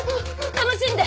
楽しんで！